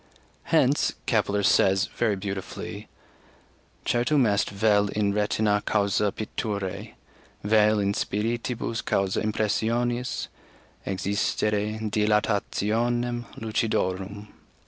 Hence Kepler says very beautifully: "Certum est vel in retinâ caussâ picturæ, vel in spiritibus caussâ impressionis, exsistere dilatationem lucidorum."